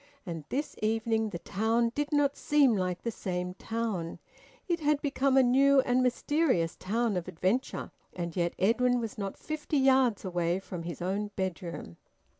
And this evening the town did not seem like the same town; it had become a new and mysterious town of adventure. And yet Edwin was not fifty yards away from his own bedroom.